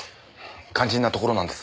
肝心なところなんです